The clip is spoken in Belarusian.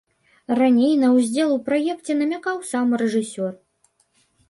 Раней на ўдзел у праекце намякаў сам рэжысёр.